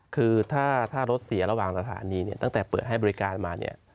คือถ้ารถเสียระหว่างสถานีเนี่ยตั้งแต่เปิดให้บริการมาเนี่ย